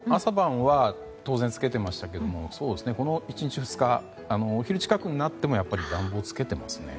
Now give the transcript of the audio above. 朝晩は当然つけてましたけどこの１日２日お昼になっても暖房つけてますね。